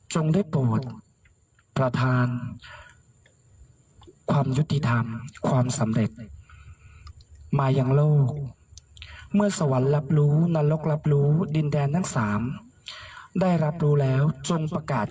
ให้แก่หนังฟ้าพูดจมน้ำ